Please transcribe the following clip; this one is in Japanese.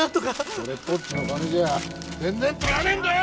それっぽっちの金じゃ全然足らねえんだよ！